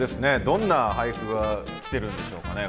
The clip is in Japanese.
どんな俳句が来てるんでしょうかね